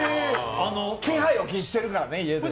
気配を消してるからね、家でね。